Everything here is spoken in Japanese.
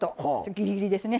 ギリギリですね。